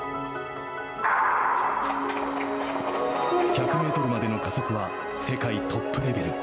１００メートルまでの加速は世界トップレベル。